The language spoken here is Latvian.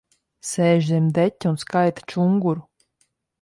Sēž zem deķa un skaita čunguru.